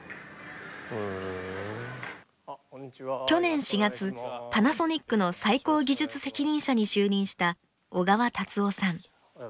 去年４月パナソニックの最高技術責任者に就任した小川立夫さん。